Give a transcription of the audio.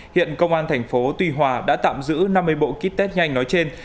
hiện công an thành phố tuy hòa đã tạm giữ năm mươi bộ kit test nhanh nói trên